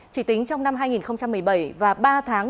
chỉ tính trong năm hai nghìn một mươi bảy và ba tháng